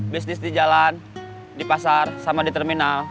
bisnis di jalan di pasar sama di terminal